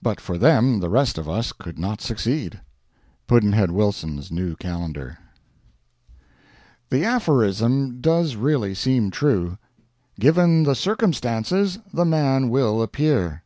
But for them the rest of us could not succeed. Pudd'nhead Wilson's New Calendar. The aphorism does really seem true: "Given the Circumstances, the Man will appear."